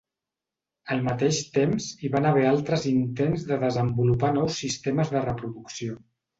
Al mateix temps hi van haver altres intents de desenvolupar nous sistemes de reproducció.